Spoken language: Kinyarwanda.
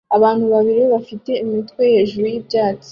Abantu babiri bafite imitwe hejuru yibyatsi